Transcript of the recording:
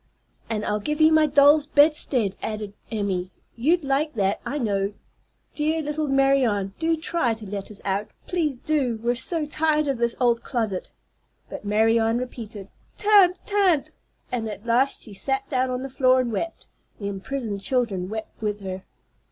"And I'll give you my doll's bedstead," added Emmy. "You'd like that, I know. Dear little Marianne, do try to let us out. Please do. We're so tired of this old closet." But still Marianne repeated, "Tan't, tan't." And at last she sat down on the floor and wept. The imprisoned children wept with her.